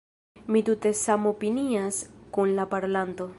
Mi tute samopinias kun la parolanto.